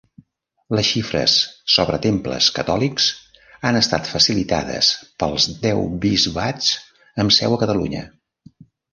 Les xifres sobre temples catòlics han estat facilitades pels deu bisbats amb seu a Catalunya.